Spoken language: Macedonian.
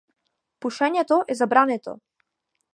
Пушењето е забрането.